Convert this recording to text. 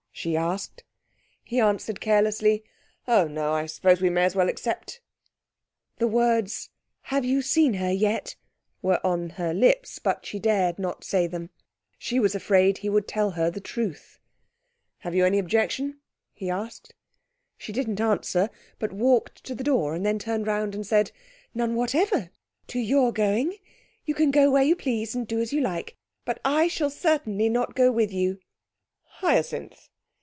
she asked. He answered carelessly 'Oh, no! I suppose we may as well accept.' The words 'Have you seen her yet?' were on her lips, but she dared not say them. She was afraid he would tell her the truth. 'Have you any objection?' he asked. She didn't answer, but walked to the door and then turned round and said 'None whatever to your going. You can go where you please, and do as you like. But I shall certainly not go with you!' 'Hyacinth!'